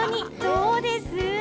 どうです？